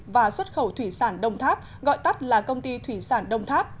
và xuất khẩu thủy sản đông tháp gọi tắt là công ty thủy sản đông tháp